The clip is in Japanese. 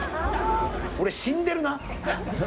俺、死んでるな。